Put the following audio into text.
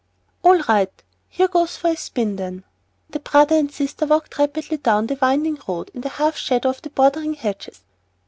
"All right. Here goes for a spin, then." The brother and sister walked rapidly on down the winding road, in the half shadow of the bordering hedges.